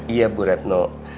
iya bu repno